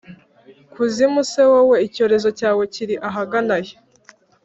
Kuzimu se wowe, icyorezo cyawe kiri ahagana he?